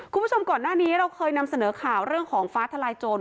คุณผู้ชมก่อนหน้านี้เราเคยนำเสนอข่าวเรื่องของฟ้าทลายโจร